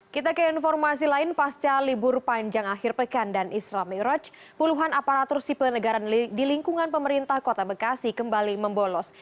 kita ke informasi lain pasca libur panjang akhir pekan dan islam iroj puluhan aparatur sipil negara di lingkungan pemerintah kota bekasi kembali membolos